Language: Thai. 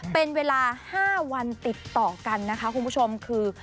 เป็นเวลา๕วันติดต่อกันนะคะคุณผู้ชมคือ